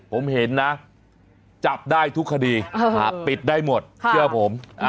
ผมเห็นนะจับได้ทุกคดีปิดได้หมดเชื่อผม